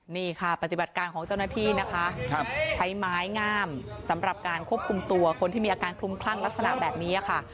นี่ค่ะปฏิบัติการของเจ้าหน้าที่นะคะใช้ไม้งามสำหรับการควบคุมตัวคนที่มีอาการคลุมคลั่งลักษณะแบบนี้ค่ะ